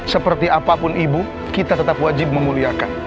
seperti apapun ibu kita tetap wajib memuliakan